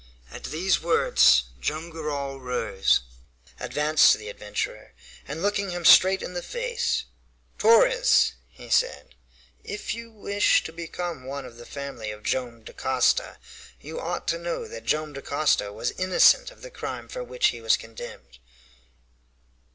At these words Joam Garral rose, advanced to the adventurer, and looking him straight in the face, "Torres," he said, "if you wish to become one of the family of Joam Dacosta, you ought to know that Joam Dacosta was innocent of the crime for which he was condemned."